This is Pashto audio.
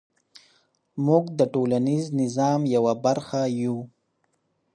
موږ د ټولنیز نظام یوه برخه یو.